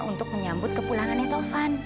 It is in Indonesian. untuk menyambut kepulangannya taufan